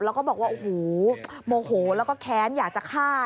แล้วก็บอกว่าโอ้โหโมโหแล้วก็แค้นอยากจะฆ่า